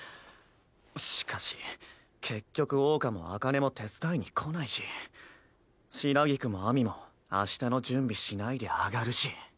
しかし結局桜花も紅葉も手伝いに来ないし白菊も秋水も明日の準備しないで上がるし。